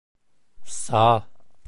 Sağa!